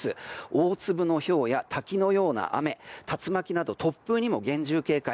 大粒のひょうや滝のような雨竜巻など突風にも厳重警戒。